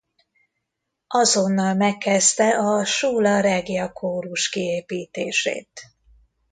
Azonnal megkezdte a Schola Regia kórus kiépítését.